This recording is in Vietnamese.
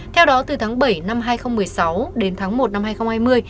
theo đó từ tháng bảy năm hai nghìn một mươi sáu đến tháng một năm hai nghìn hai mươi